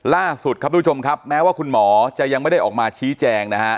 ล่าสุดครับทุกผู้ชมครับแม้ว่าคุณหมอจะยังไม่ได้ออกมาชี้แจงนะฮะ